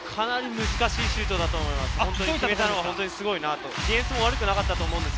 今のシュートはかなり難しいシュートだと思います。